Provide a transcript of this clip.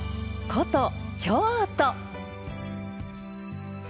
古都京都。